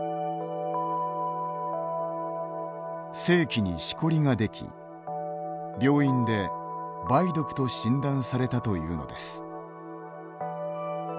性器にしこりができ病院で「梅毒と診断された」というのです。